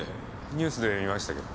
ニュースで見ましたけど。